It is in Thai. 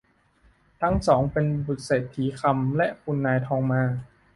ทั้งสองเป็นบุตรเศรษฐีคำ และคุณนายทองมา